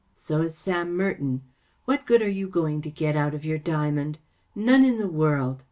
So is Sam Merton. What good are you going to get out of your diamond ? None in the world.